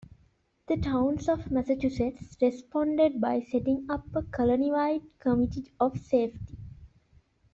The towns of Massachusetts responded by setting up a colony-wide Committee of Safety.